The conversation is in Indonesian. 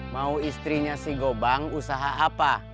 mau istrinya si gobang usaha apa